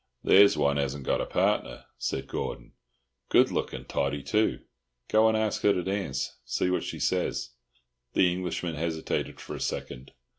"There's one hasn't got a partner," said Gordon. "Good looking Tottie, too. Go and ask her to dance. See what she says." The Englishman hesitated for a second.